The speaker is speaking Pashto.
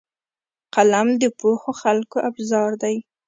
قلم د پوهو خلکو ابزار دی